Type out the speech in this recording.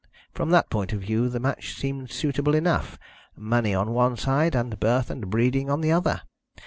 From that point of view the match seemed suitable enough money on one side, and birth and breeding on the other.